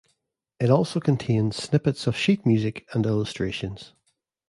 It also contains snippets of sheet music and illustrations.